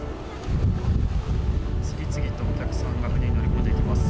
次々とお客さんが船に乗り込んでいきます。